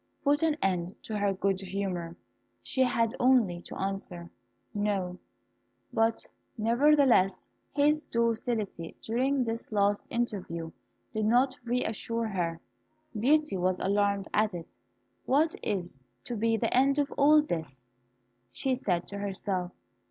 put an end to her good humour. She had only to answer "No;" but, nevertheless, his docility during this last interview did not re assure her. Beauty was alarmed at it. "What is to be the end of all this?" she said to herself.